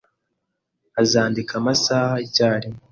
Azandika amasaha icyarimwe.